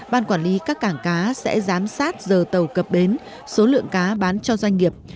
ban quản lý các cảng cá sẽ giám sát giờ tàu cập bến số lượng cá bán cho doanh nghiệp